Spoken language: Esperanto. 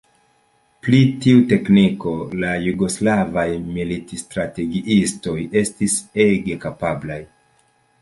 Pri tiu tekniko la jugoslavaj militstrategiistoj estis ege kapablaj.